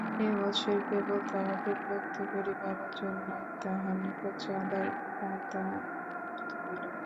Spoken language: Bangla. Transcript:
এ বৎসর কেবল তাহাকে বিরক্ত করিবার জন্যই তাহার নিকট চাঁদার খাতা আনিয়া ধরিল।